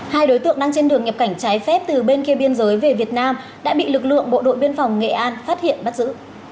hai đối tượng đang trên đường nhập cảnh trái phép từ bên kia biên giới về việt nam đã bị lực lượng bộ đội biên phòng nghệ an phát hiện bắt giữ